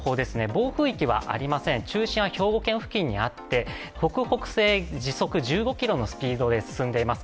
暴風域はありません、中心は兵庫県付近にあって北北西、時速１５キロのスピードで進んでいます。